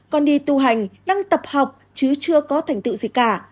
con đi tu hành đang tập học chứ chưa có thành tựu gì cả